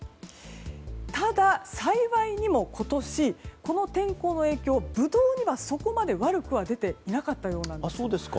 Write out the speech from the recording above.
ただ、幸いにも今年この天候の影響がブドウには、そこまで悪くは出ていなかったようなんです。